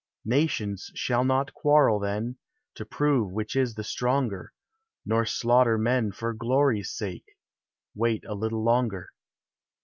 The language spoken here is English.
Nations shall not quarrel then, To prove which is the stronger ; Nor slaughter men for glory's sake ;— Wait a little longer.